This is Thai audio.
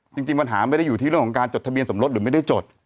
จริงปัญหาไม่ได้อยู่ที่เรื่องของการจดทะเบียนสมรสหรือไม่ได้จด